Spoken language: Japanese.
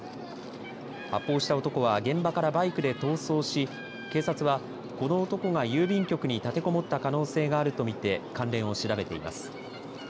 発砲した男は現場からバイクで逃走し警察はこの男が郵便局に立てこもった可能性があると見て関連を調べています。